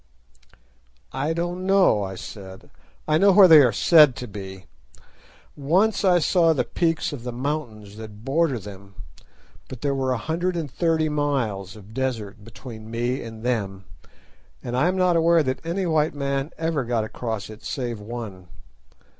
"I don't know," I said; "I know where they are said to be. Once I saw the peaks of the mountains that border them, but there were a hundred and thirty miles of desert between me and them, and I am not aware that any white man ever got across it save one.